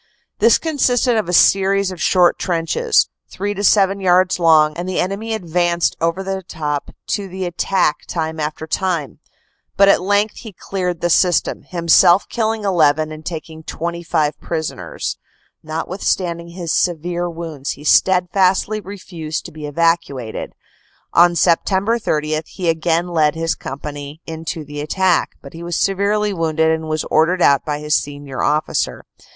This consisted of a series of short trenches, three to seven yards long, and the enemy ad vanced over the top to the attack time after time But at length he cleared the system, himself killing 1 1 and taking 25 prison ers. Notwithstanding his severe wounds he steadfastly refused to be evacuated. On Sept. 30 he again led his company in to the attack, but was severely wounded and was ordered out by his senior officer.